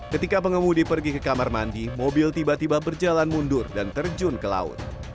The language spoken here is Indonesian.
ketika pengemudi pergi ke kamar mandi mobil tiba tiba berjalan mundur dan terjun ke laut